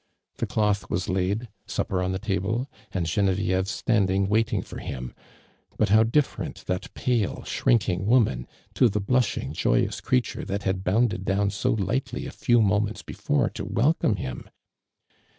The cloth was laid, supper on the table, and Gene vieve standing waiting for him ; but how dif ferent that pale, shrinking wuman, to the blushing joyous creature that had bounded down so lightly a few moments before to wel come him